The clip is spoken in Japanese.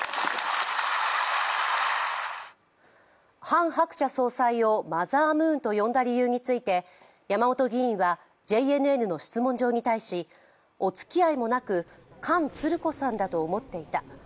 ハン・ハクチャ総裁をマザームーンと呼んだ理由について山本議員は、ＪＮＮの質問状に対しおつきあいもなく「かんつるこさん」だと思っていた。